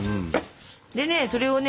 でねそれをね